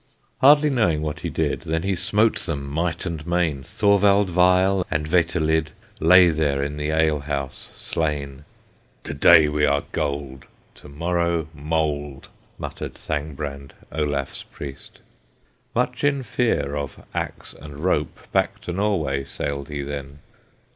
Hardly knowing what he did, Then he smote them might and main, Thorvald Veile and Veterlid Lay there in the alehouse slain. "To day we are gold, To morrow mould!" Muttered Thangbrand, Olaf's Priest. Much in fear of axe and rope, Back to Norway sailed he then.